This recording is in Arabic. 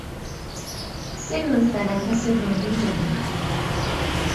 سر الثلاثة سر للجميع.